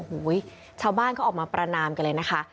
โอ้โหชาวบ้านเขาออกมาประนามกันเลยนะคะ